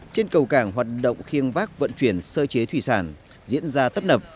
trên cầu cảng hoạt động khiêng vác vận chuyển sơ chế thủy sản diễn ra tấp nập